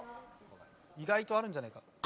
意外とあるんじゃねえか？